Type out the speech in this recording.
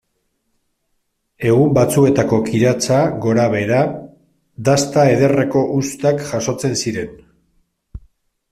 Egun batzuetako kiratsa gorabehera, dasta ederreko uztak jasotzen ziren.